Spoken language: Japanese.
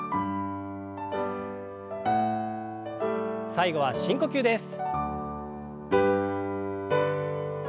最後は深呼吸です。